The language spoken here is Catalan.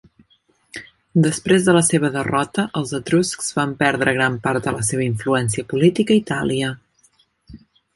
Després de la seva derrota, els Etruscs van perdre gran part de la seva influència política a Itàlia.